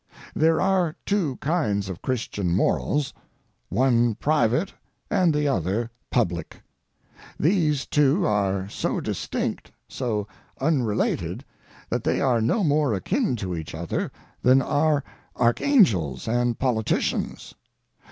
There are two kinds of Christian morals, one private and the other public. These two are so distinct, so unrelated, that they are no more akin to each other than are archangels and politicians.